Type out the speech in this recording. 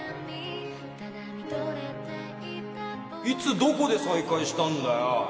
いつどこで再会したんだよ？